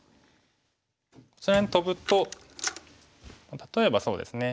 こちらにトブと例えばそうですね。